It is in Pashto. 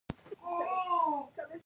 او ګرځېدو کښې ئې ولي نېغ وي -